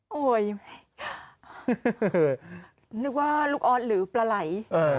หรือว่าลูกออดหรือปลาไหล่